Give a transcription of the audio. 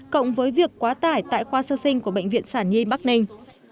cộng với việc quá tải tại khoa sơ sinh của bệnh viện sản nhi bắc ninh